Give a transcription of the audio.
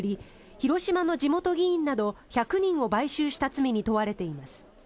広島の地元議員など１００人を買収した罪に問われています。